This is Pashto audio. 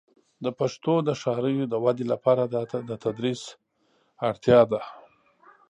د پښتو د ښاریو د ودې لپاره د تدریس اړتیا ده.